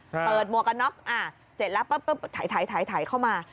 เปิดมวกน็อคเสร็จแล้วปุ๊บถ่ายเข้ามา